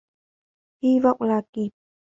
hi vọng là kịp